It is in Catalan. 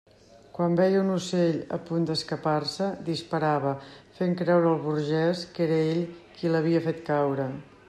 Quan veia un ocell a punt d'escapar-se, disparava, fent creure al burgès que era ell qui l'havia fet caure.